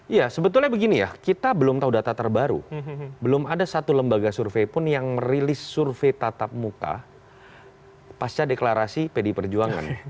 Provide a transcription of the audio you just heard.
ya sebetulnya begini ya kita belum tahu data terbaru belum ada satu lembaga survei pun yang merilis survei tatap muka pasca deklarasi pdi perjuangan